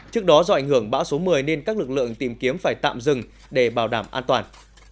trước đó do ảnh hưởng bão số một mươi nên các lực lượng tìm kiếm phải tạm dừng để bảo đảm an toàn